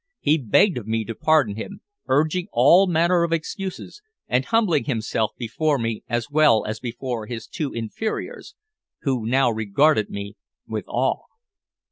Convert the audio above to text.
He begged of me to pardon him, urging all manner of excuses, and humbling himself before me as well as before his two inferiors, who now regarded me with awe.